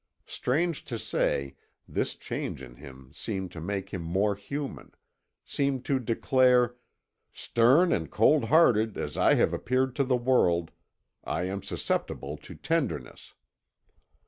Strange to say, this change in him seemed to make him more human seemed to declare, "Stern and cold hearted as I have appeared to the world, I am susceptible to tenderness."